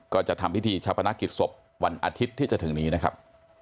ก็จะทำพิธีชาพนักกิจศพวันอาทิตย์ที่จะถึงนี้นะครับ